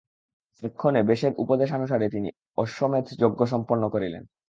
এক্ষণে ব্যাসের উপদেশানুসারে তিনি অশ্বমেধ যজ্ঞ সম্পন্ন করিলেন।